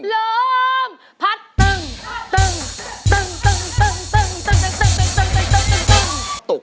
ลมพัดตึงตึงตึงตึงตึงตึง